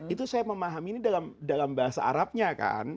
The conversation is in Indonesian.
itu saya memahami ini dalam bahasa arabnya kan